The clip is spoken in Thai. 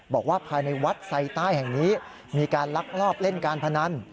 บอกว่าภายในวัดไซใต้แห่งนี้มีการลักลอบเล่นการพนัน